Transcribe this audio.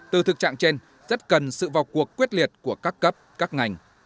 từ thực trạng trên rất cần sự vào cuộc quyết liệt của các cấp các ngành